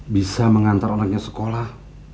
bisa mengantar orangnya sekolah